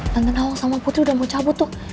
tante nawang sama putri udah mau cabut tuh